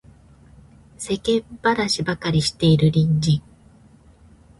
世間話ばかりしている隣人